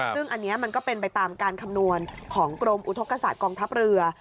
ซึ่งอันนี้มันก็เป็นไปตามการคำนวณของกรมอุทธกษาตกองทัพเรือ